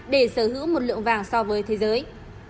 để sở hữu một lượng vàng so với thế giới